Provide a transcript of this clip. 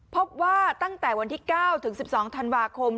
พบว่าตั้งแต่วันที่๙ถึง๑๒ธันวาคม